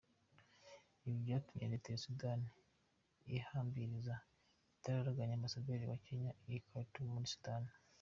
Ibi byatumye Leta ya Sudani ihambiriza igitaraganya Ambasaderi wa Kenya i Khartoum muri Sudani.